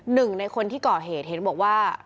หนึ่งในคนที่ก่อเหตุเห็นบอกว่า